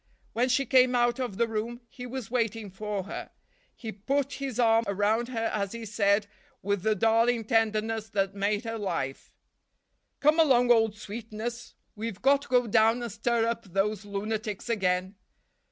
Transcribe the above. When she came out of the room he was waiting for her. He put his arm around her as he said, with the darling tenderness that made her life, "Come along, old sweetness. We've got to go down and stir up those lunatics again.